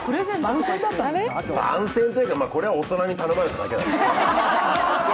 番宣というか、これは大人に頼まれただけですけど。